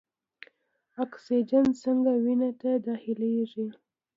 اکسیجن څنګه وینې ته داخلیږي؟